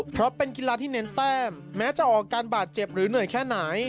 เพราะเป็นกีฬาที่เน้นแต้มแม้จะออกการบาดเจ็บหรือเหนื่อยแค่ไหน